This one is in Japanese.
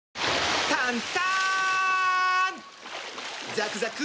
ザクザク！